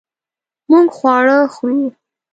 مونږ خواړه خورو